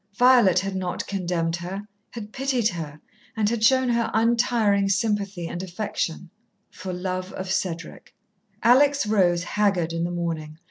Violet had not condemned her, had pitied her, and had shown her untiring sympathy and affection for love of Cedric. Alex rose haggard, in the morning.